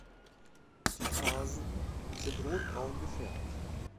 Die Tarsen sind rotbraun gefärbt.